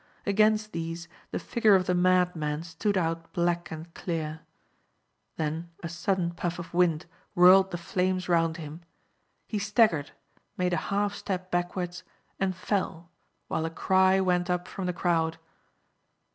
Against these the figure of the madman stood out black and clear. Then a sudden puff of wind whirled the flames round him. He staggered, made a half step backwards, and fell, while a cry went up from the crowd.